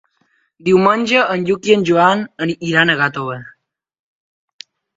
Diumenge en Lluc i en Joan iran a Gàtova.